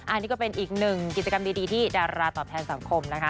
อันนี้ก็เป็นอีกหนึ่งกิจกรรมดีที่ดาราตอบแทนสังคมนะคะ